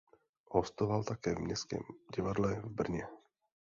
Hostoval také v Městském divadle v Brně.